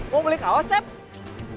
mau beli kaos sepp